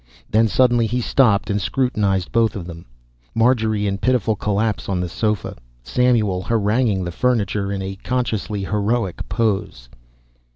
Then suddenly he stopped and scrutinized both of them Marjorie in pitiful collapse on the sofa, Samuel haranguing the furniture in a consciously heroic pose.